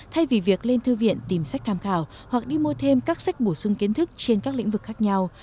thay vì việc lên thư viện tìm sách tham khảo hoặc đi mua thêm các sách bổ sung kiến thức trên các lĩnh vực khác nhau